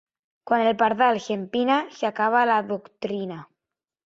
Quan el pardal s'empina s'acaba la doctrina.